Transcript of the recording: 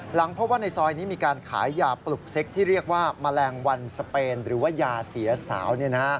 พบว่าในซอยนี้มีการขายยาปลุกเซ็กที่เรียกว่าแมลงวันสเปนหรือว่ายาเสียสาว